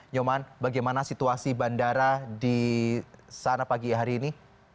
nyoman bagaimana situasi bandara di sana pagi hari ini